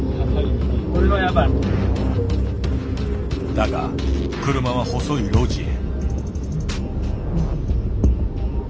だが車は細い路地へ。